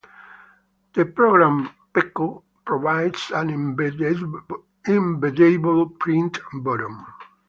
The program Peecho provides an embeddable print button.